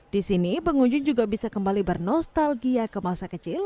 di sini pengunjung juga bisa kembali bernostalgia ke masa kecil